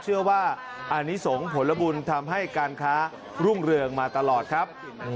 เชื่อว่าอันนี้ส่งผลบุญทำให้การค้ารุ่งเรืองมาตลอดครับ